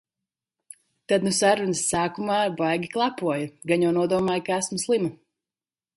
Tad nu sarunas sākumā baigi klepoju. Gan jau nodomāja, ka esmu slima.